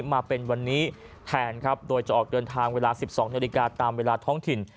มาเป็นวันนี้แทนครับโดยจะออกเดินทางเวลา๑๒นาฬิกาตามเวลาท้องถิ่น